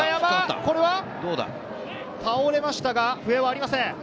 これは倒れましたが笛はありません。